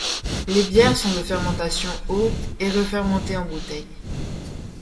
Les bières sont de fermentation haute et refermentées en bouteilles.